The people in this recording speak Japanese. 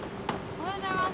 おはようございます。